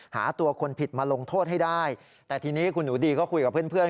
หาตัวคนผิดมาลงโทษให้ได้แต่ทีนี้คุณหนูดีก็คุยกับเพื่อน